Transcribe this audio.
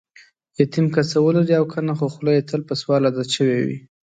یتیم که څه ولري او کنه، خوخوله یې تل په سوال عادت شوې وي.